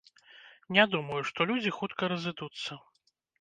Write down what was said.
Не думаю, што людзі хутка разыдуцца.